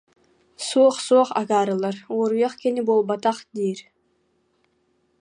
Суох, суох, акаарылар, уоруйах кини буолбатах диир